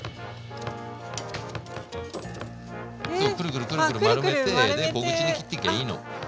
くるくるくる丸めて小口に切ってきゃいいの。